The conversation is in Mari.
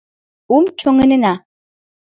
Ум чоҥынена.